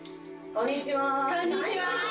こんにちは！